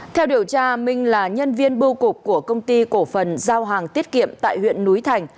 theo điều tra minh là nhân viên bưu cục của công ty cổ phần giao hàng tiết kiệm tại huyện núi thành